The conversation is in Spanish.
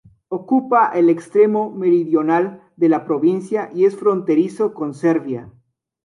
Ocupa el extremo meridional de la provincia y es fronterizo con Serbia.